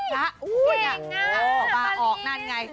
เก่งน่ะมาริน